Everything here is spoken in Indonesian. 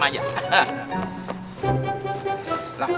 saya diam aja